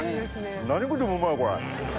何食ってもうまいこれ。